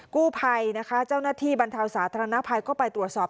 กู้ภัยนะคะเจ้าหน้าที่บรรเทาสาธารณภัยก็ไปตรวจสอบ